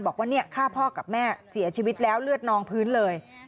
บอกว่าฆ่าพ่อกับแม่เสียชีวิตแล้วเลือดนองพื้นเลย